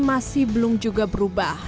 masih belum juga berubah